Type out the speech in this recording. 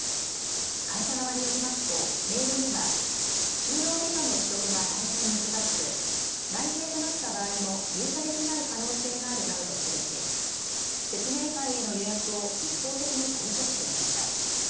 会社側によりますとメールには就労ビザの取得が大変難しく内定となった場合も入社できない可能性があるなどと記し説明会への予約を一方的に取り消していました。